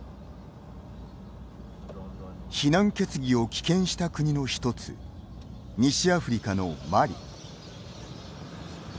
非難決議を棄権した国の一つ西アフリカのマリ。